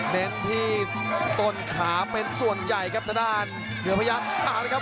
เด้นที่ต้นขาเม้นส่วนใหญ่ครับสดานเหลือพยักษ์ต่างเลยครับ